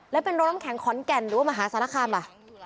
แล้วเป็นโรงน้ำแข็งขอนแก่นหรือว่ามหาสารคามล่ะ